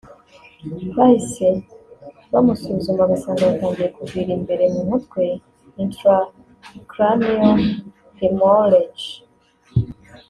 Bahise bamusuzuma basanga yatangiye kuvira imbere mu mutwe (Intracranial Hemorrhage)